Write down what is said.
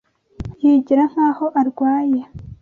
Yigira nkaho arwaye.